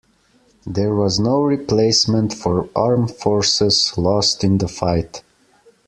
There was no replacement for armed forces lost in the fight.